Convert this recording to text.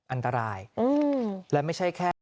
อันตรายและไม่ใช่แค่